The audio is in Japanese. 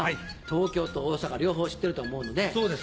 東京と大阪両方知ってると思うので。